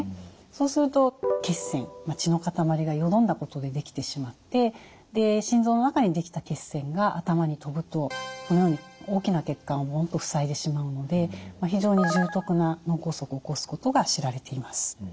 そうすると血栓血の塊がよどんだことでできてしまって心臓の中にできた血栓が頭に飛ぶとこのように大きな血管を塞いでしまうので非常に重篤な脳梗塞を起こすことが知られています。